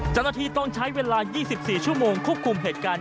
เจ้าหน้าที่ต้องใช้เวลา๒๔ชั่วโมงควบคุมเหตุการณ์